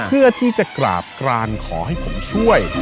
เพื่อที่จะกราบกรานขอให้ผมช่วย